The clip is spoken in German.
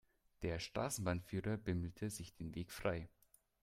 Der Straßenbahnführer bimmelte sich den Weg frei.